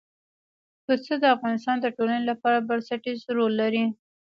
پسه د افغانستان د ټولنې لپاره بنسټيز رول لري.